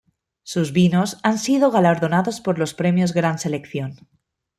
Sus vinos han sido galardonados por los premios Gran Selección.